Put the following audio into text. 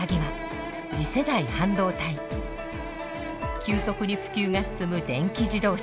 急速に普及が進む電気自動車。